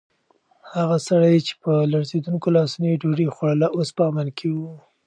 هغه سړی چې په لړزېدونکو لاسونو یې ډوډۍ خوړله، اوس په امن کې و.